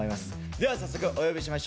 では早速お呼びしましょう。